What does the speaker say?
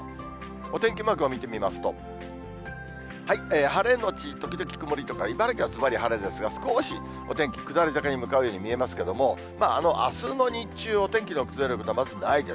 お天気マークを見てみますと、晴れ後時々曇りとか、茨城はずばり晴れですが、少しお天気下り坂に向かうよう見えますけれども、あすの日中、お天気の崩れることはまずないです。